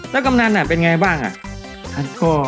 แล้วกับกำนันเนี่ยเป็นไงบ้างอ่ะ